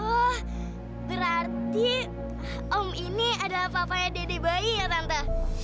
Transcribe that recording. oh berarti om ini adalah papaya dede bayi ya tante